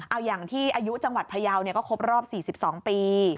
เอาอย่างที่อายุจังหวัดพยาวก็ครบรอบ๔๒ปี